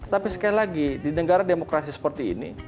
tapi sekali lagi di negara demokrasi seperti ini